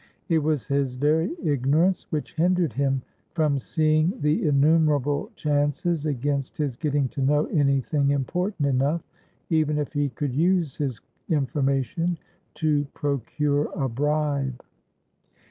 It was his very ignorance which hindered him from seeing the innumerable chances against his getting to know any thing important enough, even if he could use his information, to procure a bribe.